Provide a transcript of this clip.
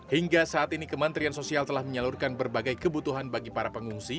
hingga saat ini kementerian sosial telah menyalurkan berbagai kebutuhan bagi para pengungsi